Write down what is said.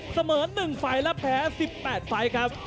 เสมือน๑ฟัยละแพ้๑๘ฟัยครับ